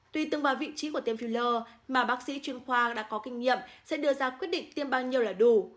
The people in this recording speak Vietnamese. tuy tương vào vị trí của tiêm filler mà bác sĩ chuyên khoa đã có kinh nghiệm sẽ đưa ra quyết định tiêm bao nhiêu là đủ